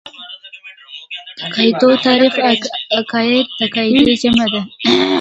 د عقايدو تعريف عقايد د عقيدې جمع ده .